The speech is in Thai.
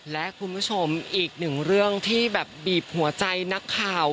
และคุณผู้ชมอีกหนึ่งเรื่องที่แบบบีบหัวใจนักข่าว